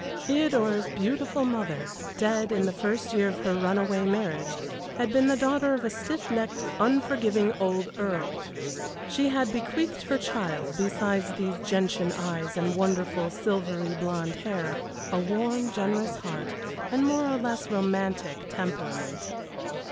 Theodora's beautiful mother, dead in the first year of her runaway marriage, had been the daughter of a stiff necked, unforgiving old earl; she had bequeathed her child, besides these gentian eyes and wonderful, silvery blond hair, a warm, generous heart and a more or less romantic temperament.